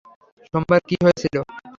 সোমবার কী হয়েছিল?